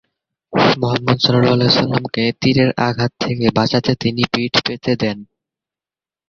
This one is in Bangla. মুহাম্মদ স কে তীরের আঘাত থেকে বাঁচাতে তিনি পিঠ পেতে দেন।